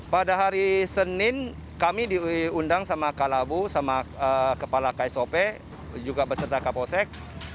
pada hari senin kami diundang sama kalabu sama kepala ksop juga beserta kaposek